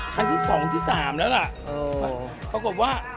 คันที่๒ที่๓แล้วล่ะ